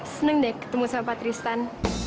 seneng deh ketemu sama patristan